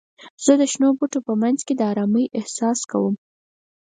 زه د شنو بوټو په منځ کې د آرامۍ احساس کوم.